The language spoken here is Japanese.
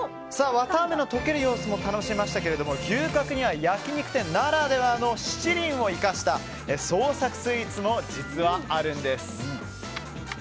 わたあめの溶ける様子も楽しめましたけども牛角には焼き肉店ならではの七輪を生かした創作スイーツも実はあるんです。